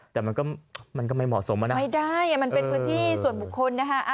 แต่มันก็ไม่เหมาะสมแล้วนะเออเออเออไม่ได้มันเป็นพื้นที่ส่วนบุคคลนะฮะ